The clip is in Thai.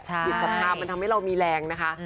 กิจสัปดาห์มันทำให้เรามีแรงนะคะ